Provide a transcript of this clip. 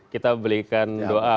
kita berikan doa